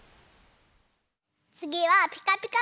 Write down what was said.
つぎは「ピカピカブ！」